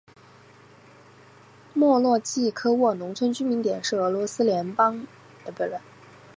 莫洛季科沃农村居民点是俄罗斯联邦布良斯克州姆格林区所属的一个农村居民点。